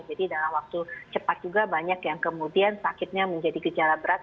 jadi dalam waktu cepat juga banyak yang kemudian sakitnya menjadi gejala berat